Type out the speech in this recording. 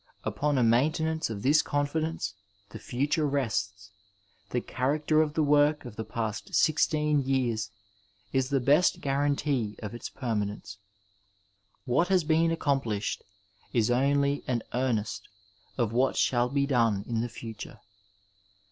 Upon a maintenance of this confidence the future rests. The character of the work of the past sixteen years is the best guarantee of its permanence. What has been accomplished is only an earnest of what shall be done in the future.